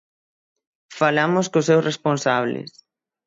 Falamos cos seus responsables.